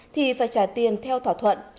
thì phải trả tiền theo thỏa thuận